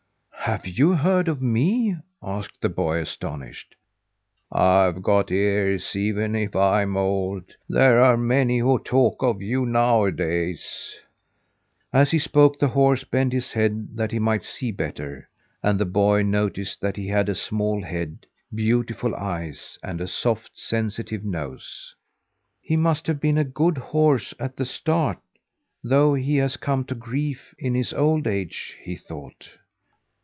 "Have you heard of me?" asked the boy, astonished. "I've got ears, even if I am old! There are many who talk of you nowadays." As he spoke, the horse bent his head that he might see better, and the boy noticed that he had a small head, beautiful eyes, and a soft, sensitive nose. "He must have been a good horse at the start, though he has come to grief in his old age," he thought.